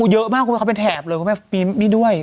เยอะมากเขาเป็นแถบเลยคุณแม่มีนี่ด้วย